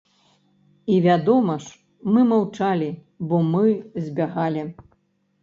І вядома ж, мы маўчалі, бо мы збягалі.